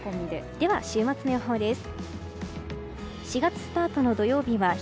週末の予報です。